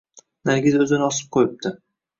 Nargiza o`zini osib qo`yibdi